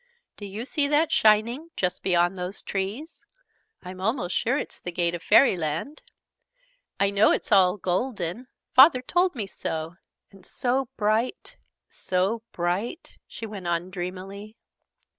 "Do you see that shining, just beyond those trees? I'm almost sure it's the gate of Fairyland! I know it's all golden Father told me so and so bright, so bright!" she went on dreamily.